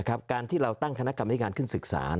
การที่เราตั้งคณะกรรมนิการขึ้นศึกษา